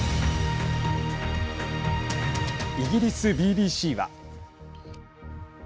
イギリスＢＢＣは。